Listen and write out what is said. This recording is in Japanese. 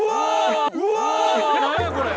何やこれ！？